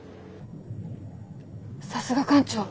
さすが艦長。